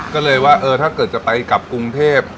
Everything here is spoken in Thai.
ก็เลยว่าเออถ้าเกิดจะไปกลับกรุงเทพ